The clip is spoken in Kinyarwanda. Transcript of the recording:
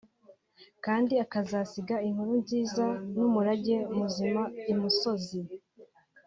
kandi akazasiga inkuru nziza n’umurage muzima imusozi